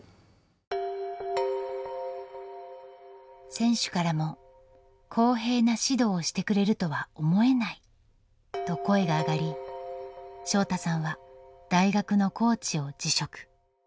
選手からも「公平な指導をしてくれるとは思えない」と声が上がり翔大さんは大学のコーチを辞職。